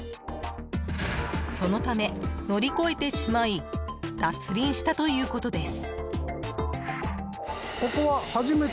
そのため乗り越えてしまい脱輪したということです。